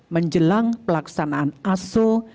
menjelang pelaksanaan aso